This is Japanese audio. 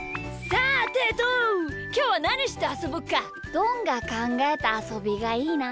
どんがかんがえたあそびがいいな。